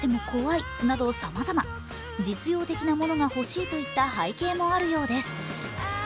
実用的なものが欲しいといった背景もあるようです。